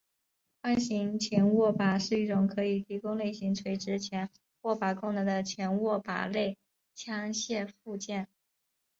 宽型前握把是一种可以提供类似垂直前握把功能的前握把类枪械附件。